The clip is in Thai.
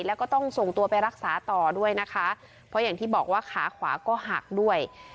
แล้วก็ต้องส่งตัวไปรักษาต่อด้วยนะคะเพราะอย่างที่บอกว่าขาขวาก็หักด้วย